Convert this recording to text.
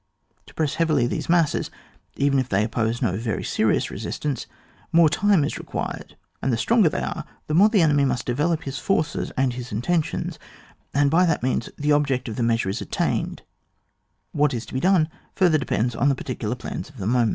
To press heavily these masses, even if they oppose no very serious resistance, more time is re«> quired, and the stronger they are the more the enemy must develop his forces and his intentions, and by that means the object of the measure is attained ; what is to be done further depends on the particular plans of the moment.